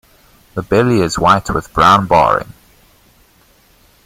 The belly is white with brown barring.